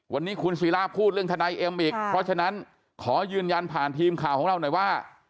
วันนี้คุณศิราพูดเรื่องทนายเอ็มอีกเพราะฉะนั้นขอยืนยันผ่านทีมข่าวของเราหน่อยว่า